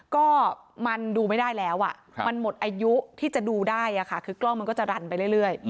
ก็มันดูไม่ได้แล้วมันหมดอายุที่จะดูได้คือกล้องมันก็จะรันไปเรื่อย